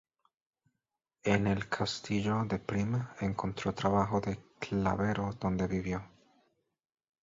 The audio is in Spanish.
En el castillo de Prim encontró trabajo de Clavero donde vivió.